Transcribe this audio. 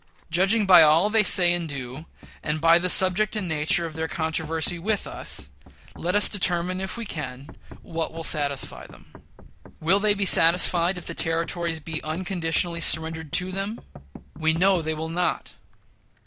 Judging by all they say and do, and by the subject and nature of their controversy with us, let us determine, if we can, what will satisfy them. Will they be satisfied if the Territories be unconditionally surrendered to them? We know they will not.